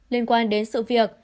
liên quan đến sự việc